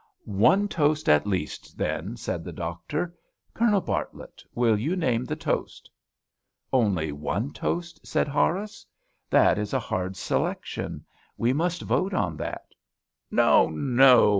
"One toast, at least, then," said the doctor. "Colonel Bartlett, will you name the toast?" "Only one toast?" said Horace; "that is a hard selection: we must vote on that." "No, no!"